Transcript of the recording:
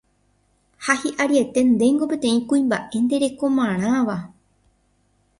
ha hi'ariete ndéngo peteĩ kuimba'e nderekomarãva